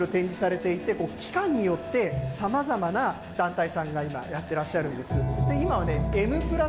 こういったものがね、いろいろ展示されていて、期間によってさまざまな団体さんが今、やってらっしゃるんです。